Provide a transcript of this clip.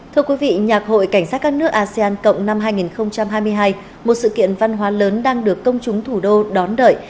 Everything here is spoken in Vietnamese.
thưa quý vị nhạc hội cảnh sát các nước asean cộng năm hai nghìn hai mươi hai một sự kiện văn hóa lớn đang được công chúng thủ đô đón đợi